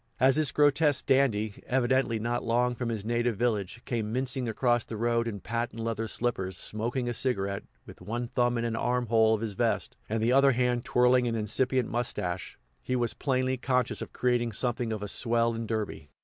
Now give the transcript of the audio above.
As this grotesque dandy, evidently not long from his native village, came mincing across the road in patent leather slippers, smoking a cigarette, with one thumb in an arm hole of his vest, and the other hand twirling an incipient mustache, he was plainly conscious of creating something of a swell in Derby.